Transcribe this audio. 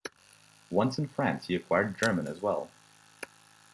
Once in France he acquired German as well.